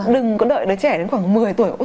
đừng có đợi đứa trẻ đến khoảng một mươi tuổi